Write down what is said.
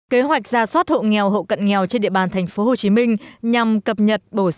kế hoạch ra soát hộ nghèo hộ cận nghèo trên địa bàn tp hcm nhằm cập nhật